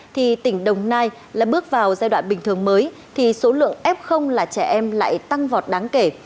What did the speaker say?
thì tỉnh đồng nai lại bước vào giai đoạn bình thường mới thì số lượng f là trẻ em lại tăng vọt đáng kể